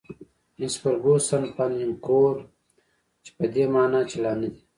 میس فرګوسن: 'pan encore' چې په دې مانا چې لا نه دي.